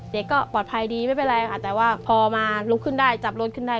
เด็กก็ปลอดภัยดีไม่เป็นไรค่ะแต่ว่าพอมาลุกขึ้นได้จับรถขึ้นได้